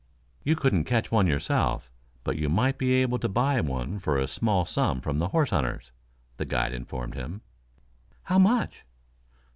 "You couldn't catch one yourself, but you might be able to buy one for a small sum from the horse hunters," the guide informed him. "How much?"